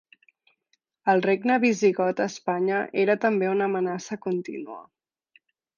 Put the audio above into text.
El regne visigot a Espanya era també una amenaça contínua.